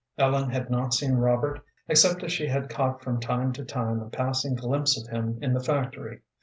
Ellen had not seen Robert except as she had caught from time to time a passing glimpse of him in the factory.